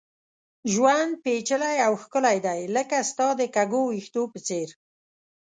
ژوند پېچلی او ښکلی دی ، لکه ستا د کږو ويښتو په څېر